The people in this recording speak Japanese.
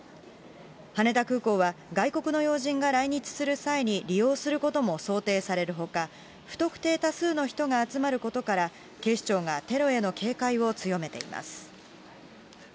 羽田空港は外国の要人が来日する際に利用することも想定されるほか、不特定多数の人が集まることから、警視庁がテロへの警戒を強めています。